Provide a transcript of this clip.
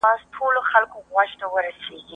ایا په اوړي کي د سپکو کالیو اغوستل د خولې مخه نیسي؟